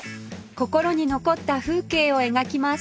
心に残った風景を描きます